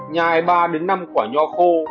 nhai ba năm quả nho khô